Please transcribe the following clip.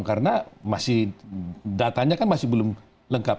karena masih datanya kan masih belum lengkap